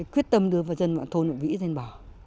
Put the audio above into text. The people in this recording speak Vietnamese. quyết tâm đưa vào dân vạn vĩ lên bờ